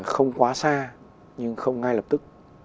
không quá xa nhưng không ngay lập tức